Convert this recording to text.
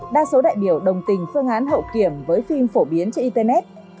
đa số đại biểu đồng tình phương án hậu kiểm với phim phổ biến trên internet